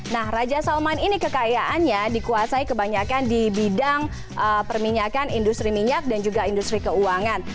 nah raja salman ini kekayaannya dikuasai kebanyakan di bidang perminyakan industri minyak dan juga industri keuangan